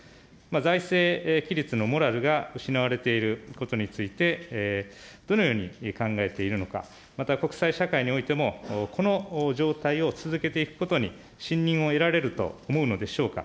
財政規律のモラルが失われていることについて、どのように考えているのか、また国際社会においても、この状態を続けていくことに、信認を得られると思うのでしょうか。